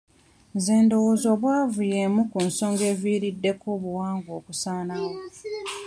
Nze ndowooza obwavu y'emu ku nsonga ezivuddeko obuwangwa okusaanawo.